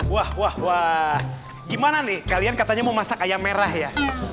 wah wah wah gimana nih kalian katanya mau masak ayam merah ya